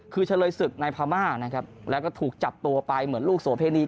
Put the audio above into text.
คือเฉลยศึกในพม่านะครับแล้วก็ถูกจับตัวไปเหมือนลูกโสเพณี